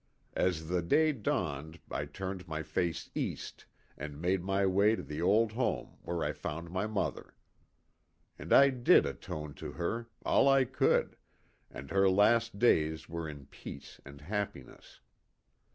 As the day dawned I turned my face East, and made my way to the old home, where I found my mother. And I did atone to her all I could and her last days were in peace and happiness. THE "DECK HAND."